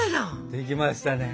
できましたね。